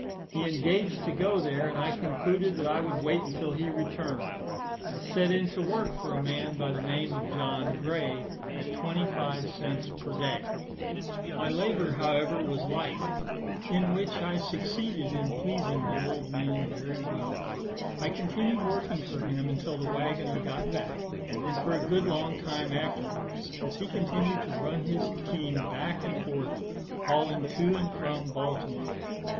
He engaged to go there, and I concluded that I would wait until he returned. I set in to work for a man by the name of John Gray, at twenty five cents per day. My labour, however, was light, such as ploughing in some small grain, in which I succeeded in pleasing the old man very well. I continued working for him until the waggoner got back, and for a good long time afterwards, as he continued to run his team back and forward, hauling to and from Baltimore.